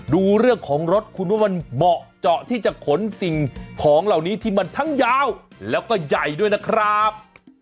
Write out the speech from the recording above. ดูเรื่องของรถคุณว่ามันเหมาะเจาะที่จะขนสิ่งของเหล่านี้ที่มันทั้งยาวแล้วก็ใหญ่ด้วยนะครับ